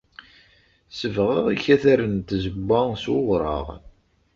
Sebɣeɣ ikataren n tzewwa s wewraɣ.